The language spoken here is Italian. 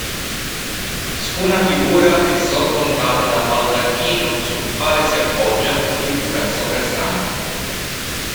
Ciascuna figura è sormontata da baldacchino, sul quale si appoggia la figura sovrastante.